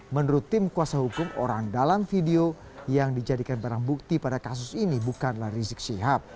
menurut tim kuasa hukum orang dalam video yang dijadikan barang bukti pada kasus ini bukanlah rizik syihab